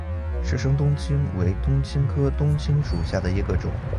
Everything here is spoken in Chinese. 石生冬青为冬青科冬青属下的一个种。